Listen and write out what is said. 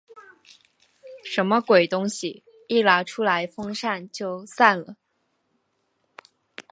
什么鬼东西？一拿出来风扇就散了。